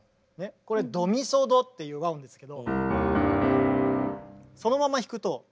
これ「ドミソド」っていう和音ですけど。